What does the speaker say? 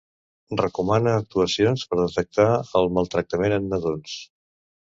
Recomana actuacions per detectar el maltractament en nadons.